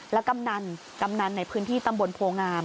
แล้วกำนันในพื้นที่ตำบลโพงาม